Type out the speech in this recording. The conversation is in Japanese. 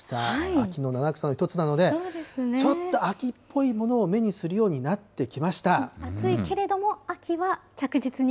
秋の七草の１つなので、ちょっと秋っぽいものを目にするようにな暑いけれども、秋は着実に。